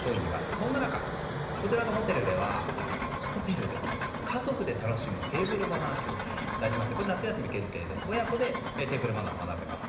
そんな中、こちらのホテルでは「家族で楽しむテーブルマナー教室」と題して夏休み限定で親子でテーブルマナーを学べます。